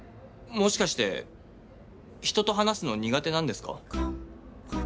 もしかして人と話すの苦手なんですか？